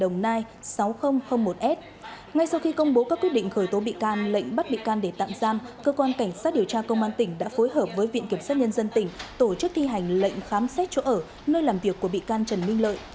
ngay sau khi công bố các quyết định khởi tố bị can lệnh bắt bị can để tạm giam cơ quan cảnh sát điều tra công an tỉnh đã phối hợp với viện kiểm sát nhân dân tỉnh tổ chức thi hành lệnh khám xét chỗ ở nơi làm việc của bị can trần minh lợi